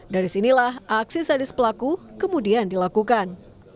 dari sinilah aksi sadis pelaku kemudian dilakukan